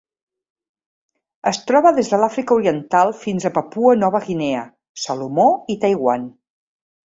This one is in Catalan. Es troba des de l'Àfrica Oriental fins a Papua Nova Guinea, Salomó i Taiwan.